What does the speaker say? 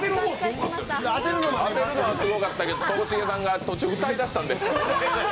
当てるのはすごかったけどともしげさんが途中歌い出したんで。